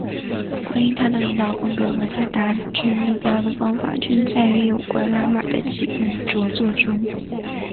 关于他的领导风格和他达至目标的方法均载于有关拉玛的几本着作中。